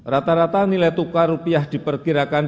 rata rata nilai tukar rupiah diperkirakan